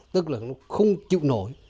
tức là nó không chịu nổi